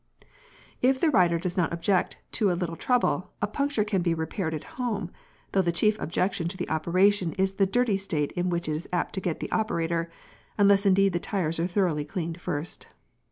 p> If the rider does not object to a little trouble, a puncture can be repaired at home, though the chief objection to the operation is the dirty state in which it is apt to get the operator, unless indeed the tyres are thoroughly cleaned first.